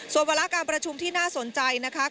ส่วนวาระการประชุมที่น่าสนใจนะคะ